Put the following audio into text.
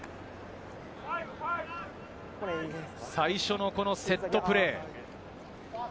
最初のこのセットプレー。